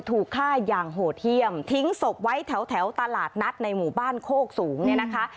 ถูกฆ่าอย่างโหดเยี่ยมทิ้งศพไว้แถวตลาดนัดในหมู่บ้านโคกสูงเนี่ยนะคะ